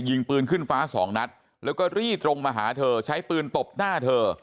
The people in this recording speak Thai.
ยิงปืนขึ้นฟ้าสองนัดแล้วก็รีดตรงมาหาเธอใช้ปืนตบหน้าเธอ